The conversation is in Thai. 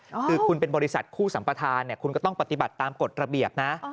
คือคุณเป็นบริษัทคู่สัมปทานเนี่ยคุณก็ต้องปฏิบัติตามกฎระเบียบนะ